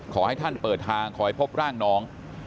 ขอให้ท่านเปิดทางขอให้พบร่างน้อง